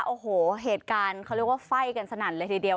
โอ้โหเหตุการณ์เขาเรียกว่าไฟ่กันสนั่นเลยทีเดียว